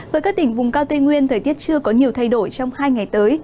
với các tỉnh vùng cao tây nguyên thời tiết chưa có nhiều thay đổi trong hai ngày tới